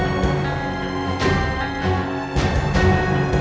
dia membuka kudamatanya dengan kebenaran